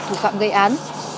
thủ phạm gây án